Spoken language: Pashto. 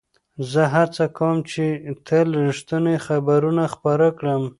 زه هڅه کوم چې تل رښتیني خبرونه خپاره کړم.